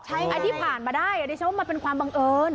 ใช่ไหมไอ้ที่ผ่านมาได้ดิฉันว่ามันเป็นความบังเอิญ